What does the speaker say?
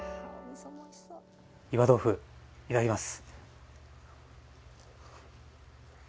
岩豆腐いただきます。